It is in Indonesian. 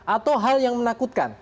atau hal yang menakutkan